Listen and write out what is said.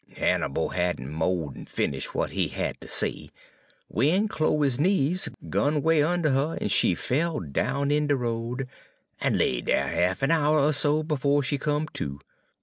"Hannibal had n' mo' d'n finish' w'at he had ter say, w'en Chloe's knees gun 'way unner her, en she fell down in de road, en lay dere half a' hour er so befo' she come to.